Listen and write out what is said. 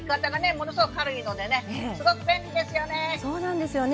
ものすごく軽いのでねすごく便利ですよね。